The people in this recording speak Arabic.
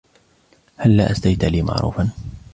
هلاّ أسديتَ لي معروفا؟